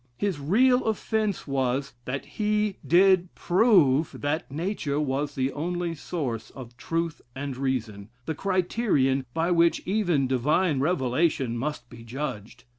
His real offence was, that he did prove that Nature was the only source of truth and reason the criterion by which even Divine Revelation must be judged.